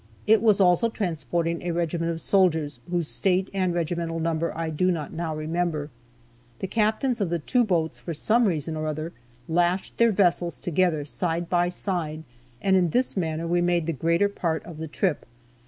It was also transporting a regiment of soldiers, whose State and regimental number I do not now remember. The captains of the two boats, for some reason or other, lashed their vessels together, side by side, and in this manner we made the greater part of the trip.